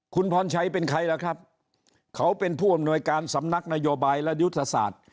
คุณพรชัยเป็นใครล่ะครับเขาเป็นผู้อำนวยการสำนักนโยบายและยุทธศาสตร์